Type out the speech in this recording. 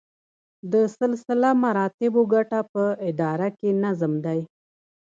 د سلسله مراتبو ګټه په اداره کې نظم دی.